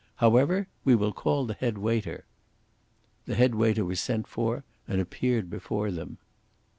However, we will call the head waiter." The head waiter was sent for and appeared before them.